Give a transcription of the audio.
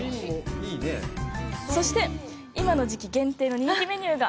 そして、今の時期限定の人気メニューが。